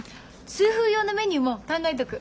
痛風用のメニューも考えとく。